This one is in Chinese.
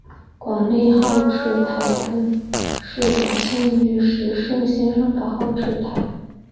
广内号志站根室本线与石胜线上的号志站。